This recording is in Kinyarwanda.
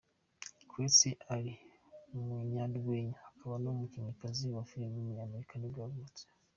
Kirstie Alley, umunyarwenya akaba n’umukinnyikazi wa filime w’umunyamerika nibwo yavutse.